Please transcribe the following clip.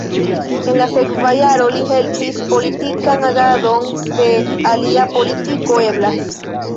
En la sekva jaro li helpis politikan agadon de Alia Politiko Eblas.